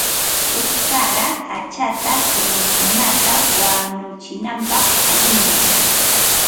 Uchpaqa hachapa kurunkunata wanuchinapaq allinmi.